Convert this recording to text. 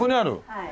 はい。